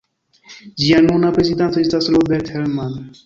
Ĝia nuna prezidanto estas Robert Herrmann.